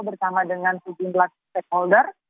bersama dengan tujuh belas stakeholder